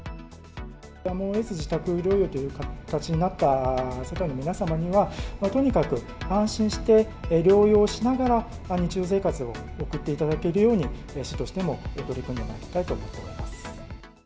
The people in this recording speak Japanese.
やむをえず自宅療養という形になった世帯の皆様には、とにかく安心して療養しながら日常生活を送っていただけるように市としても取り組んでまいりたいと思っております。